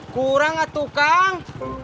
kurang atuh kang